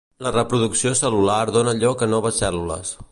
La reproducció cel·lular dóna lloc a noves cèl·lules.